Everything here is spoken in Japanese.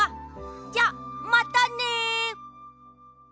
じゃまたね！